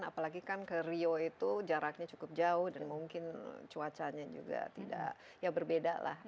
apalagi kan ke rio itu jaraknya cukup jauh dan mungkin cuacanya juga tidak ya berbeda lah